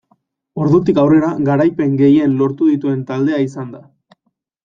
Ordutik aurrera garaipen gehien lortu dituen taldea izan da.